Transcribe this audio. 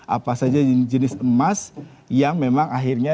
apa saja jenis emas yang memang akhirnya